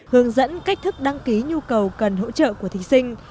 hướng dẫn cách thức đăng ký nhu cầu cần hỗ trợ của thí sinh